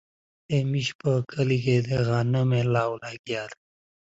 The Kennedy Space Center is located on the lagoon as well.